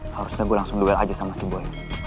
harusnya gue langsung duel aja sama si boen